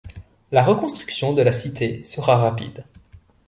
La reconstruction de la cité sera rapide.